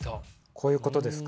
こういうことですか？